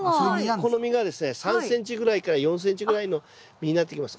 この実がですね３ｃｍぐらいから４ｃｍぐらいの実になってきます。